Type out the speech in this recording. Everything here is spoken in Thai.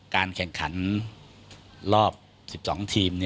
การแข่งขันรอบ๑๒ทีม